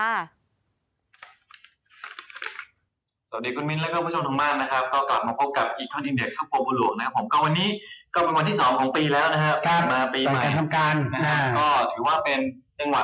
สวัสดีคุณมินทร์และคุณผู้ชมทางม่าน